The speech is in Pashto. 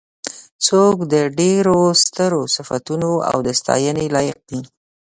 څوک د ډېرو سترو صفتونو او د ستاینې لایق دی.